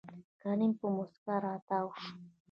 کريم په موسکا راتاو شو.